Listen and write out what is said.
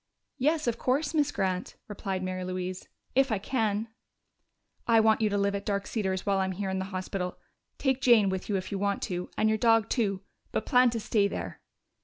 "Yes, of course, Miss Grant," replied Mary Louise. "If I can." "I want you to live at Dark Cedars while I'm here in the hospital. Take Jane with you, if you want to, and your dog too but plan to stay there."